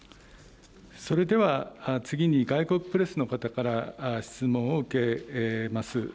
それでは、次に外国プレスの方から、質問を受けます。